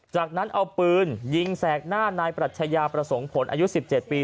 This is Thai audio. จากนั้นเอาปืนยิงแสกหน้านายปรัชญาประสงค์ผลอายุ๑๗ปี